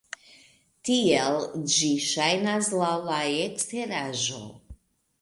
Tiel ĝi ŝajnas laŭ la eksteraĵo.